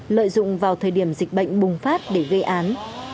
lợi dụng vào thời điểm dịch bệnh bùng phát để gây án